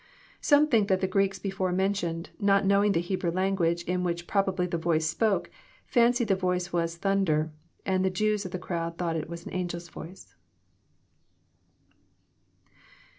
Some think that the Greeks before mentioned, not knowing the Hebrew language in which probably the voice spoke, fancied the voice was thunder, and the Jews of the crowd thought it an angel's voice.